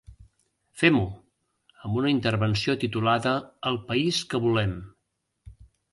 Fem-ho!’ amb una intervenció titulada ‘El país que volem’.